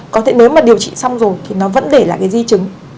có thể nếu mà điều trị xong rồi thì nó vẫn để lại cái di chứng